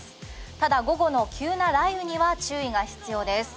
ただ、午後の急な雷雨には注意が必要です。